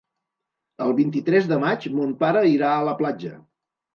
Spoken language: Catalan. El vint-i-tres de maig mon pare irà a la platja.